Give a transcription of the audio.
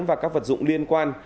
và các vật dụng liên quan